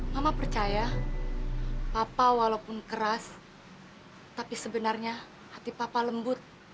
mama percaya papa walaupun keras tapi sebenarnya hati papa lembut